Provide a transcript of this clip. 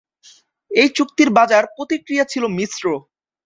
এই চুক্তির বাজার প্রতিক্রিয়া ছিল মিশ্র।